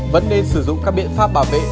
vẫn nên sử dụng các biện pháp bảo vệ